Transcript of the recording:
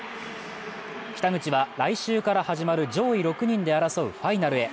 北口は来週から始まる上位６人で争うファイナルへ。